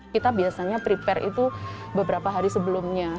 kita biasanya prepare itu beberapa hari sebelumnya